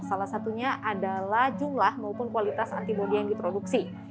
salah satunya adalah jumlah maupun kualitas antibody yang diproduksi